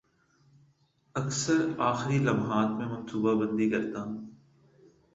اکثر آخری لمحات میں منصوبہ بندی کرتا ہوں